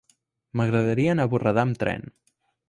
M'agradaria anar a Borredà amb tren.